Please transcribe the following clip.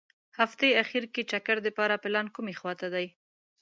هغتې اخیر کې چکر دپاره پلان کومې خوا ته دي.